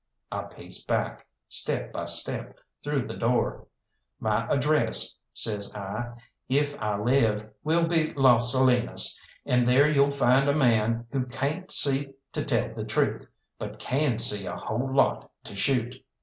I paced back, step by step, through the door. "My address," says I, "if I live, will be Las Salinas, and there you'll find a man who cayn't see to tell the truth, but can see a whole lot to shoot.